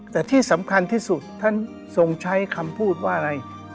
แต่ที่สำคัญที่สุดท่านทรงใช้คำพูดว่าอะไร